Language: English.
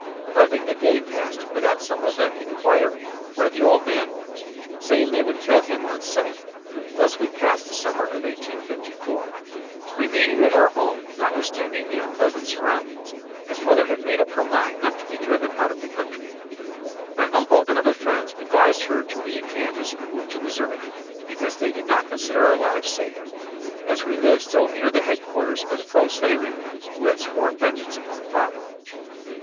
Hardly a day passed without some of them inquiring "where the old man was," saying they would kill him on sight. Thus we passed the summer of 1854, remaining at our home notwithstanding the unpleasant surroundings, as mother had made up her mind not to be driven out of the country. My uncle and other friends advised her to leave Kansas and move to Missouri, because they did not consider our lives safe, as we lived so near the headquarters of the pro slavery men, who had sworn vengeance upon father.